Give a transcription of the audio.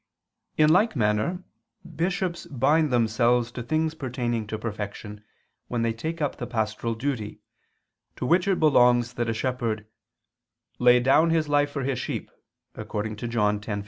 In like manner bishops bind themselves to things pertaining to perfection when they take up the pastoral duty, to which it belongs that a shepherd "lay down his life for his sheep," according to John 10:15.